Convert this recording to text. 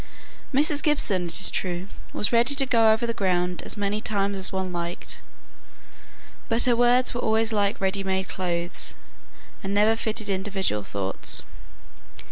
Mrs. Gibson, it is true, was ready to go over the ground as many times as any one liked; but her words were always like ready made clothes, and never fitted individual thoughts.